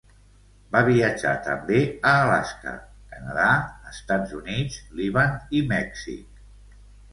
Va viatjar també a Alaska, Canadà, Estats Units, Líban, i Mèxic.